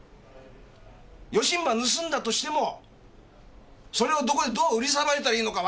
よしんば盗んだとしてもそれをどこでどう売りさばいたらいいのか